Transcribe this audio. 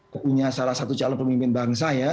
punya salah satu calon pemimpin bangsa ya